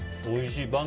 おいしい！